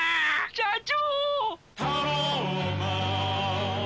社長！